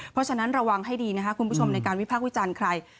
เพราะฉะนั้นระวังให้ดีนะคะคุณผู้ชมในการวิพากษ์วิจารณ์ใคร